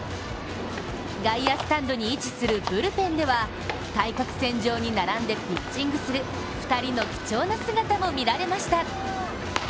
外野スタンドに位置するブルペンでは対角線上に並んでピッチングする２人の貴重な姿も見られました。